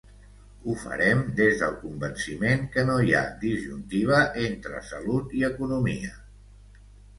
Ho farem des del convenciment que no hi ha disjuntiva entre salut i economia.